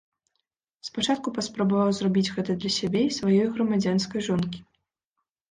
Спачатку паспрабаваў зрабіць гэта для сябе і сваёй грамадзянскай жонкі.